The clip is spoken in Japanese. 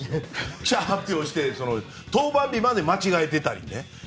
記者発表して、登板日まで間違えていたり。